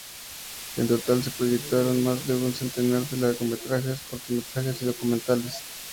En total se proyectaron más de un centenar de largometrajes, cortometrajes y documentales.